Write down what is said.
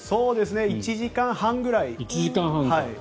１時間半ぐらい。